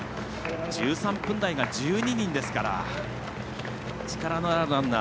１３分台が１２人ですから力のあるランナー。